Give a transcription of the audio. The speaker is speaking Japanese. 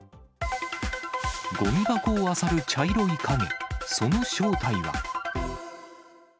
ごみ箱をあさる茶色い影、その正体は。